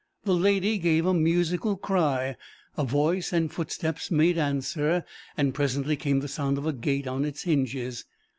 The lady gave a musical cry. A voice and footsteps made answer; and presently came the sound of a gate on its hinges.